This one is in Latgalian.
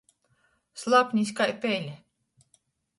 Slapnis kai pele.